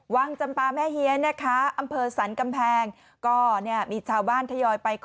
วังจำปาแม่เฮียนะคะอำเภอสรรกำแพงก็เนี่ยมีชาวบ้านทยอยไป